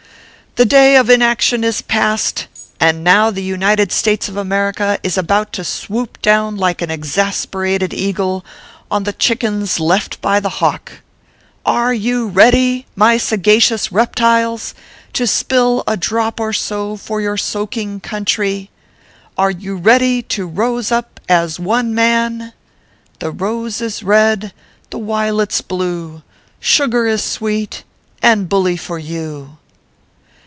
The day of inaction is past, and now the United States of America is about to swoop down like a exasperated Eagle, on the chickens left by the hawk. Are you ready, my sagacious reptiles, to spill a drop or so for your soaking country ? Are you ready to rose up as one man " The rose is red, The wi lets blue, Sugar is sweet, and Bully for you.